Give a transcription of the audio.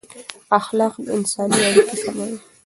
اخلاق انساني اړیکې سموي